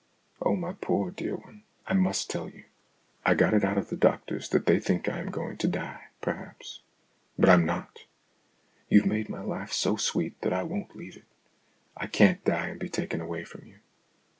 Oh, my poor dear one, I must tell you ! I got it out of the 62 STORIES IN GREY k^^r. doctors that they think I am going to die, perhaps. But I'm not ! You've made my life so sweet that I won't leave it. I can't die and be taken away from you.